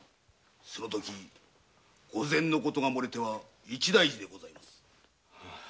そのとき御前のことが漏れては一大事にございます。